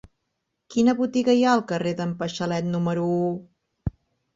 Quina botiga hi ha al carrer d'en Paixalet número u?